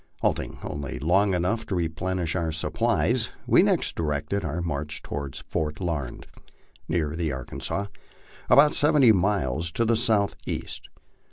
Halting only long enough to replenish our supplies, we next directed our march toward Fort Larned, near the Arkansas, about seventy miles to the southeast.